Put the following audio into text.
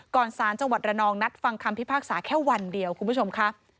สารจังหวัดระนองนัดฟังคำพิพากษาแค่วันเดียวคุณผู้ชมค่ะ